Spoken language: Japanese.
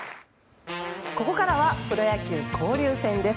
ここからはプロ野球交流戦です。